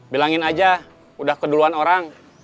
bilangin aja udah keduluan orang